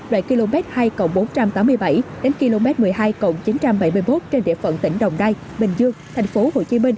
đoạn km hai bốn trăm tám mươi bảy đến km một mươi hai chín trăm bảy mươi một trên địa phận tỉnh đồng nai bình dương tp hcm